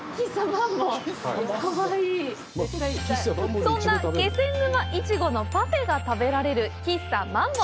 そんな気仙沼いちごのパフェが食べられる喫茶マンボ。